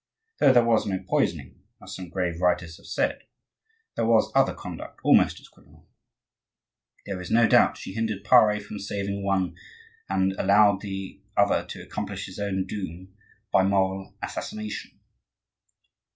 Though there was no poisoning, as some grave writers have said, there was other conduct almost as criminal; there is no doubt she hindered Pare from saving one, and allowed the other to accomplish his own doom by moral assassination.